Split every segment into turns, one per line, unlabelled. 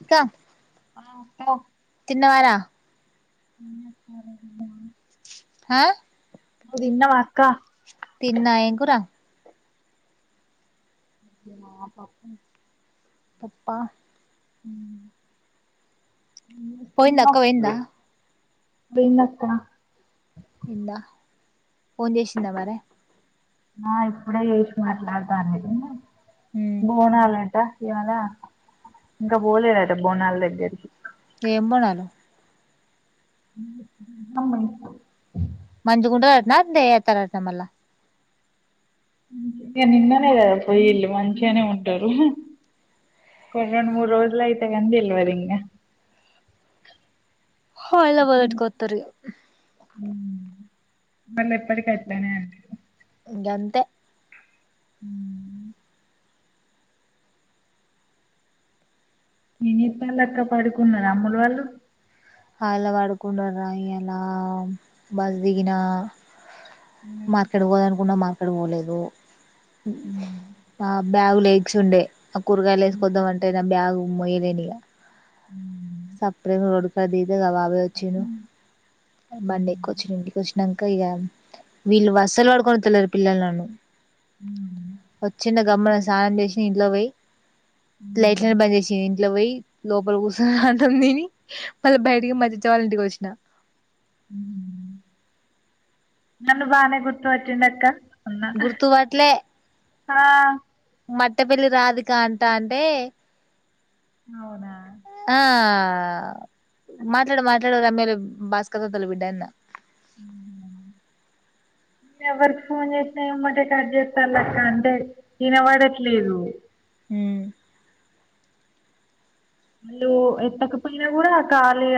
ఇంకా
ఆ
తిన్నవార
తిన్న అక్క
హా
నువ్వు తిన్నవ అక్కా
తిన్నా ఎం కూర
అ పప్ప
పప్పా
అ
పోయిందా అక్క పోయియందా
పోయిందక్క
పోయిందా ఫోన్ చేసిందా మరే
ఆ ఇప్పుడే చేసి మాట్లాడతానేది
ఉమ్
బోనాలంట ఇయ్యల ఇంకా పోలేదట బోనాల దగ్గరికి
ఏం బోనాలో
అమ్మాయి
మంచిగుంట రనా అ టాల్నె చేతరా మల్ల
ఇగ నిన్ననే కదా పొయల్ళు మంచిగానే ఉంటారు ఒక రెండు మూరు రోజులయితే గనీ తేల్వదు ఇంగ
హ ఇంటికి కొత్తర్ మళ్ళ
మళ్ళీ ఎప్పటికి అట్లనే అంటే
గంతే
ఉం ఏం జెతల్లక్క పడుకున్నార అమ్ములు వాళ్ళు.
హల్ల పడుకుంన్న రా ఇయ్యి అలా బస్ దిగిన మార్కెట్ పోదనుకున్న మార్కెట్ పోలేదు ఆ బ్యాగు లో ఎగ్స్ ఉండే ఆ కూరగాయలు వేసుకద్దామ అంటే నా బ్యాగు మొయలేని ఇక
హ్మ్.
సప్రేమ్ రోడ్ కడ దీద మా బాబాయి వచ్చారు
హ్మ్.
బండి ఎక్కు
హ్మ్.
వచ్చిన ఇంటికి వచ్చినక ఇక వీళ్ళు అస్సలు పడుకొని తలరు పిల్లలు నన్ను
హ్మ్.
వచ్చిన గొమ్మున స్థనం చేసిన ఇంట్లోకి పోయి లైట్లనే బంద్ చేసింది ఇంట్లో పోయి లోపల కూర్చొని అంటాం నేని మళ్ళ బయటికి మర్చించ వాళ్ళంటికి వచ్చిన
హ్మ్. నన్ను బానే గుర్తు పట్టిండు అక్క
గుర్తు పట్లే
ఆ
మట్టపల్లి రాధిక అంటంటే
అవునా
ఆ మాట్లాడు మాట్లాడు ఆమెలు భాస్కరు తొల బిడ్డ అన్న [inaudible]
నను ఎవరికి ఫోన్ చేసినా ఏమంటే కట్ చేస్తారు లెక్క అంటే వినబడట్లేదు
హూ
అలు ఎత్తకు పోయిన కూడా కాలీ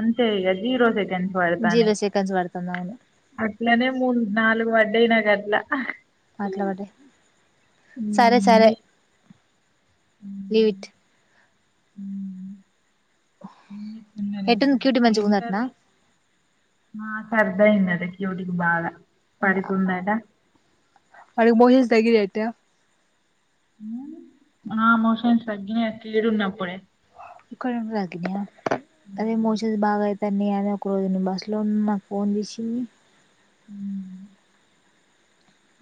అంతే ఇక ఈ రోజ ఇక టట్ పడతానే
జీరో సెకండ్స్ పడుతుంది అవును
అట్లనే మూ నాలుగు పడ్డయి నాకు అట్లా
మాట్లా పడ్డయ సరే
హ్మ్.
సరే
నీ
లీవ్
హ్మ్.
ఇట్
[inaudible] ఏం చేస్తున్నారు
ఎట్టుంది క్యూటీ
ఏం కర్రీ
మంచిగుందటనా
సరే మాకు అర్థం అయిన ఇ ఒకటికి బాగా పడుకుందట
[unintelligible]
ఆ మోషన్స్ తగ్గినయి
కొంచం తగ్గినయి అదే మోషన్స్ బాగాయి స నే అద ఒక రోజు బస్సులో ఉన్న నాకు ఫోన్ తీసింది
[inaudible]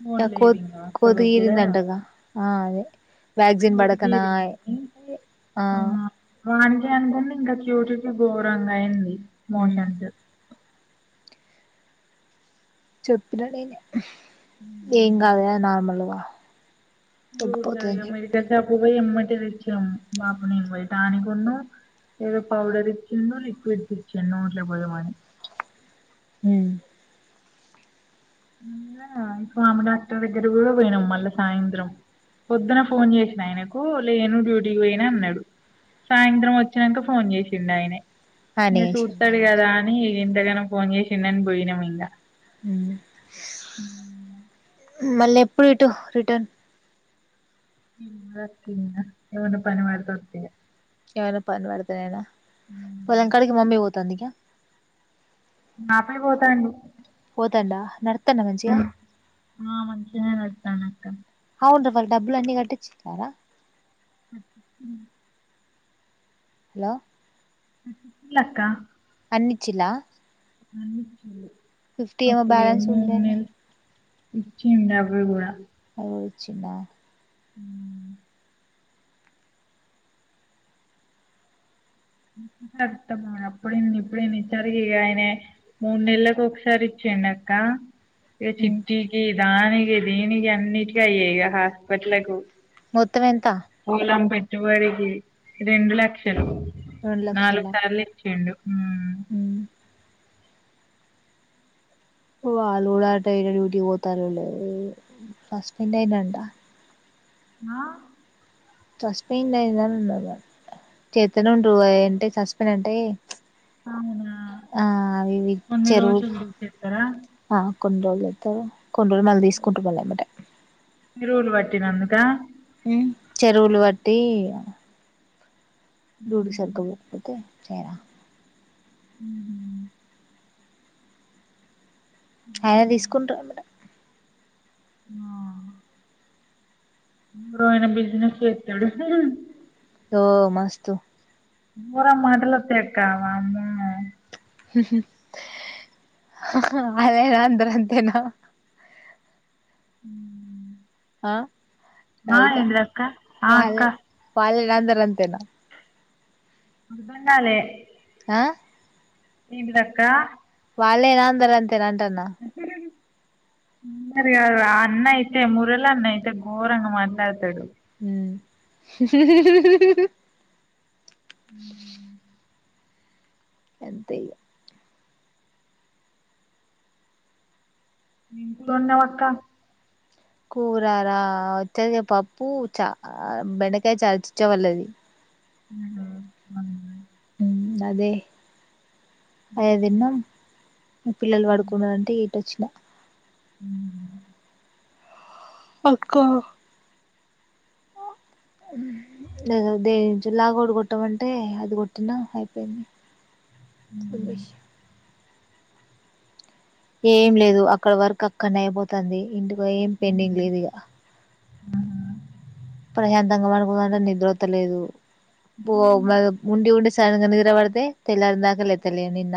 ఫోన్
ఆ
లేదు
కొద్
ఇంగ అక్క
కోతి గిరిందండగా ఆ అదే వ్యాక్సిన్
కోతి
పడకనా
గీరింది ఆ వాకి అనుకుంటే ఇంకా చూటికి ఘోరంగా అయింది
ఉమ్
మోషన్
చెప్పిన నేను ఏం కాదు నార్మల్గా తగ్గిపోతదని చెప్
అమెరికా షాపు పోయి ఎమ్మటి తెచ్చాం బాబు నే పోయటాని కొన్న ఏదో పౌడర ఈచిండు లిక్విడ్ ఇచ్చిండు నోట్లో పొయ్యమని
[inaudible]
అ ఇప్పువామె డాక్టర్ దగ్గర కూడా వేలాం మల్లా సాయంత్రం పొద్దున ఫోన్ చేసిన ఆయనకు లేను డ్యూటీకి పోయినా అన్నాడు సాయంత్రం వచ్చినాక ఫోన్ చేసిండు ఆయన
ఆయన
ఇంక
చేసిండు
చూడస్తాడు కదా అని ఇంతకనో ఫోన్ చేసిన్నని పోయినాం ఇంకా
[inaudible]
[inaudible]
మళ్ళీ ఎప్పుడు ఇటు రిటర్న్
ఇ వర్తదనా ఏమన్నా పని పడితే వస్తాను
ఏమైనా పనిపడతునా ఇలంకాడికి మమ్మీ పోతా అంది
నాపై పోతాండు
తంటడా నతన్న మంజ
ఆ మంచిగానే వస్తాను అక్క
అవును వర్ డబ్బులు అన్ని కట్టిచ్చితారా
[inaudible]
హలో
ట్లక్క
అన్నిచిలా
అన్నిచిల్లు అప్పుడేమో
బ్యాలెన్స్ ఉండేనే
మూన్నల్ ఇచ్చింది అవి కూడా
అదోచ్చిందా
ఊ ఇ అమా అప్పుడ ఇప్పుడు ఇచ్చరి ఇ ఆయన మూడు నెలలకు ఒకసారి ఇచ్చ ఏందక్క ఇగ చిట్టీకి దానికి దీనికి అన్నిటి అయ్యే ఇగ హాస్పిటల్లకు
మొత్తం ఎంత
పోలం పెట్ వాడికి రెండు లక్షలు నాలుగు సార్లు ఇచ్చిండు ఉమ్.
ఉ ఓ వాళూడ ఆటయితే డ్యూటీ పోతారులే ఫస్ట్ [unintelligible] అయినంట
ఆ
చస్పోయి ఏందన్ని ఉన్నారు వాళ్ళు చేతను ఉండ్ర ఏంటే చస్పోన్ అంటే
అవునా
ఆ ఆవివివి
కొన్ని
చెరువుల్
రోజులు తీసేస్తారా
ఆ కొన్ని రోజులు చేతరు కొన్ని రోజులు మళ్ళీ తీసుకుంటు వాళ అముట
ఎరువులు పట్టినందుక
ఊ చెరువులు వట్టి వీడు సరిగా పొకపోతే చేరా
ఊహు
ఆయన తీసుకుంటమిడ
ఆ ఉమ్ బ్రో అయిన బిజినెస్ చేతడు
ఓ మస్తు
నూరా మాటలోత్తే చెప్తా వాముమ్మో
అదేనా అంట్రా అంతేనా
ఊ
అదిగా
ఆ అక్క
వాళ్ళే పాలెరందరంతేనా
బుద్ధుండాలే
ఆ
ఈమి దక్క
పాలేరాందరంతే
ఉ హు హు మరి ఇగ ఆ అన్న అయితే మురళన్న అయితే ఘోరంగా మాట్లాడతాడు
ఊ [unintelligible]
ఊ
గంతే ఇగ
నింకులు ఉండవ్ అక్క
కూరార వచ్చరిగా పప్పు చ బెండకాయ చచచ్చే వల్లది
ఊ అవునా
ఊ అదే ఏ దిన్నం ఈ పిల్లలు పడుకున్నా అంటే ఇటు వచ్చినా
ఊ
అక్క ఆ ఉమ్ లే దేంచి లాగోట్ కొట్టమంటే అది కొట్టినా అయిపోయింది
ఉమ్,
విందుష్ ఏం లేదు అక్కడ వర్క్ అక్కడనే అయిపోతంది ఇంటికి ఓయి ఏం పెండింగ్ లేదు ఇక
ఆ
ప్రశాంతంగా వాడుకుందాం అంటే నిద్రతలేదు బో
ఉమ్,
మళ్ల ఉండి ఉండి సగా నిద్ర పడి తే తెల్లర దాకా లెత్తలేను నిన్న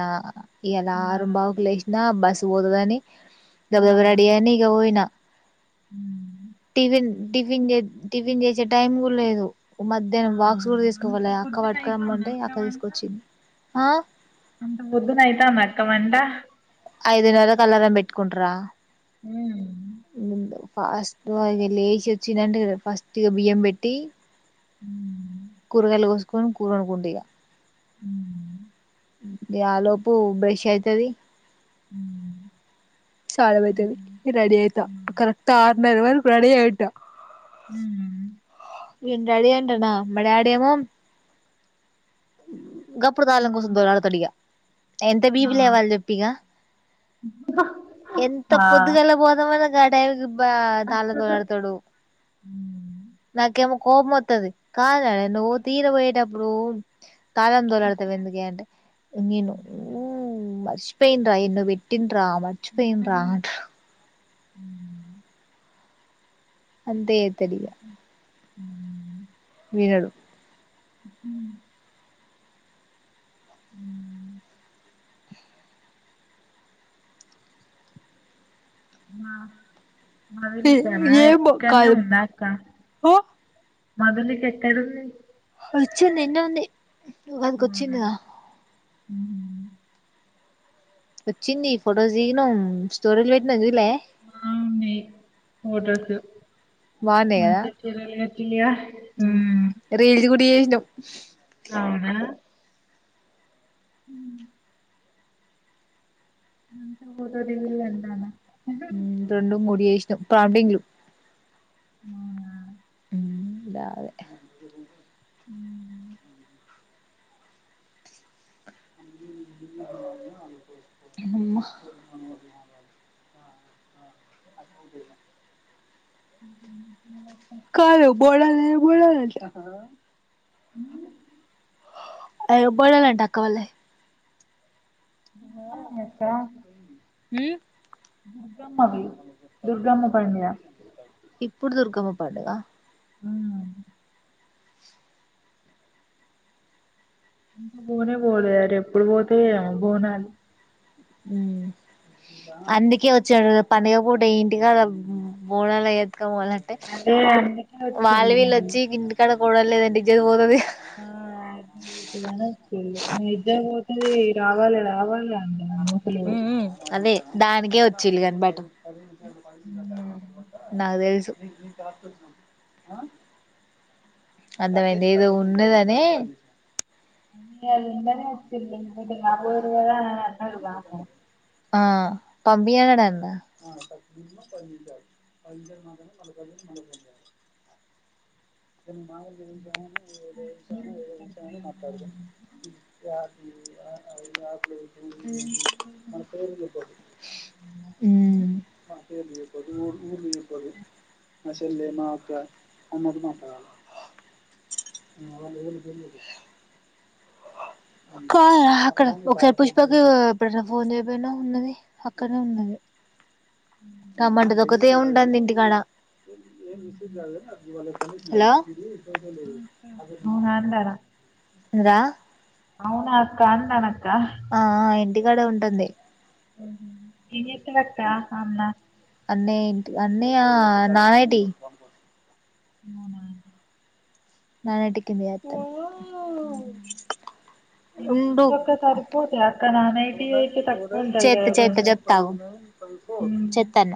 ఈయల్ల
ఆ,
అరుంబవుకు లేసినా బస్సు పోతదని
ఆ,
దాబాదాబా రడి అయిన ఇగ పోయిన
ఉమ్,
టిఫిన్ టిఫిన్ చెస్ టిఫిన్ చేసే టైం కూడా లేదు
ఆ.
మధ్యాహ్నం బాక్స్ కూడా
అంత
తీసుకపోలే అక్క
పొద్దున అయితాందా
పట్టుకరామ్మంటే అక్క
వంట
తీసుకొచ్చింది ఆ
అంత పోద్దున అయితాద మరి అక్క వంట
ఐదున్నరకు అలారం పెట్టుకుంట్రా
ఉమ్మ్
ఫస్ట్ వెళ్ళ లెసి వచ్చిందంటే ఫస్ట్ బియ్యం పెట్టి
ఉమ్,
కూరగాయలు కోసుకొని కూరనుకుంట ఇగా
ఉ
ఊ ఇగ ఆలోపు బష్ అయితది
ఉమ్,
సానమైతది
ఉమ్,
రెడీ అయిత
ఉమ్.
కరెక్ట్ ఆరునర వరకు రెడీ అంట
ఉహు
నేను రెడీ అంటన మా డాడేమో గప్పుడు తాళం కోసం దేవులడాతడిగా ఎంత బీ పీ లేవాలి చెప్పిగా ఎంత
ఆ!
పొద్దుగల పోదమ గ టైమ్ బా తాళం దేవులాడుతాడు
హ్మ్.
నాకేమో కోపంమత్తది కాదయా నువ్ తీర పోయేటప్పుడు తాళం దేవులాడతావు ఎందుకే అంటే నేను ఊ మర్చిపోయిన రా ఎన్నో పెట్టి రా మర్చిపోయినరా అంటాడు అంతే చెత్తదిగా
ఉ
వినడు
ఉమ్ ఉ మా మండలిత్తనయే ఇక్కనే ఉన్నా అక్క మధలిక ఎక్కడుంది
వచ్చింది ఎన్నో ఉంది ఉగాదికి వచ్చిందిగా
ఉ
వచ్చింది ఫొటోస్ దిగినం స్టోరీలు పెట్టినం చూడ
అవునే ఫొటోలు చూస్ మంచి [unintelligible]
ఉమ్ రీల్స్ కూడా చేసినం
అవునా ఉమ్ ఫోటో దిగిండ్లు అంటన్న
రెండు మూడు చేసినం ప్రాంటింగ్లు డామిట్
ఉ
అమ్మ అవుదేనా
ఉమ్
కాదు బోనాలు ఏం బోనాలు చేస్తున్నారు
అ
ఏం బోనాలంట అక్క వాళ్ళై
[unintelligible]
ఉమ్
దుర్గమ్మవి. దుర్గమ్మ పండుగ.
ఇప్ ప్పుడు దుర్గమ్మ పండగ
ఆ పోనే పోలే అటు ఎప్పుడు పోతాయో ఏమో బోనాలు
ఉమ్ అందుకే వచ్చాడు పండుగ పూట ఇంటికాడా బోనాలకి ాలంటే
అదే అందుకే
వాళ్ల
వచ్చిళ్ళు
వీలు
మరి
వచ్చి ఇంటికాడ బోనం లేదంటే ఇజ్జత్ పోతది
ఆ అందుకనే వచ్చిండు ఇక ఇజ్జత్ పోతది రావాలి రావాలి గా
ఉ ఉ అదే దానికే వచ్చిలు కానీ బట నాకు తెలుసు అంతమైంది ఏదో ఉన్నదనే
[unintelligible]
ఆ పంపియానడంట పదిాడు పదిజాడు మా పక మ ప దానికి మా ఎరుక తి ఏసను ఏ దసను మట్డుగం రా అకు మనకురిపోదు మ్మ్ మా చెల్లె మా అక్క అందరు ఉన్నారు అక్కడ ఒకసారి పుష్పకి ఎప్పుడైనా ఫోన్ చేయపోయివ్ ఉన్నది పక్కనే ఉన్నది రమ్మంటే ఒకతే ఉంటుంది ఇంటికాడ హలో ఏందీ
అవునా అన్నాడా
రా
అవునా అక్క అన్నాడు అక్క
ఆ అహా ఇంటికాడే ఉంటుంది
ఏం చేస్తాది అక్క ఆ అమ్మా
అన్ని నేటి అన్ని అహా నానేటి
అవునా
[unintelligible] అతను
ఉమ్మ్
ఉండు
అక్క నాన్ ఐటీ అయితే తక్కువ ఉంటది
చేత
కదా
చేత చెప్తాఅగు
కొంచెం
చెత్తన్న